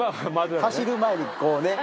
走る前にこうね。